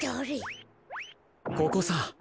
ここさ。